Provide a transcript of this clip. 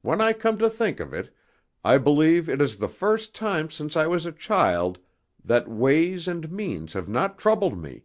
When I come to think of it, I believe it is the first time since I was a child that ways and means have not troubled me.